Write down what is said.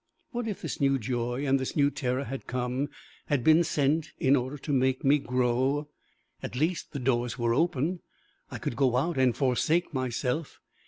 What if this new joy and this new terror had come, had been sent, in order to make me grow? At least the doors were open; I could go out and forsake myself!